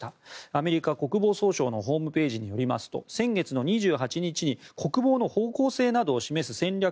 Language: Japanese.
アメリカ国防総省のホームページによりますと先月の２８日に国防の方向性などを示す戦略